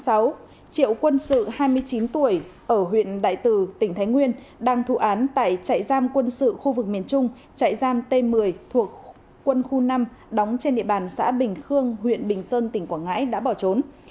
triệu quân sự hai mươi chín tuổi ở huyện đại từ tỉnh thái nguyên đang thụ án tại trại giam quân sự khu vực miền trung chạy giam t một mươi thuộc quân khu năm đóng trên địa bàn xã bình khương huyện bình sơn tỉnh quảng ngãi đã bỏ trốn